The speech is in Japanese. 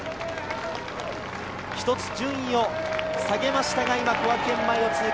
１つ順位を下げましたが今、小涌園前を通過。